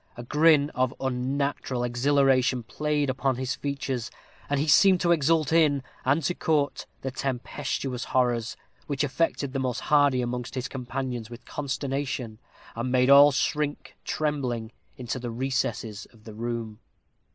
A grin of unnatural exhilaration played upon his features, and he seemed to exult in, and to court, the tempestuous horrors, which affected the most hardy amongst his companions with consternation, and made all shrink, trembling, into the recesses of the room.